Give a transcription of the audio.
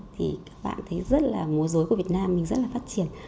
thì các bạn thấy rất là múa dối của việt nam mình rất là phát triển